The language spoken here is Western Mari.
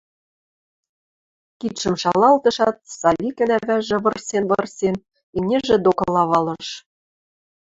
Кидшӹм шалалтышат, Савикӹн ӓвӓжӹ, вырсен-вырсен, имнижӹ докыла валыш.